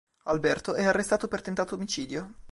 Alberto è arrestato per tentato omicidio.